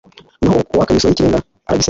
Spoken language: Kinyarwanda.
naho uwaka imisoro y'ikirenga aragisenya